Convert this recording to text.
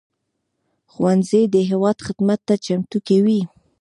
ښوونځی د هېواد خدمت ته چمتو کوي